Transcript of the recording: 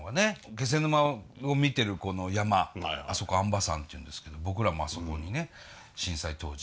気仙沼を見てるこの山あそこ安波山っていうんですけど僕らもあそこにね震災当時。